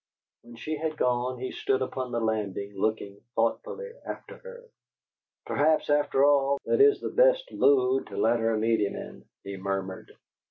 When she had gone, he stood upon the landing looking thoughtfully after her. "Perhaps, after all, that is the best mood to let her meet him in," he murmured.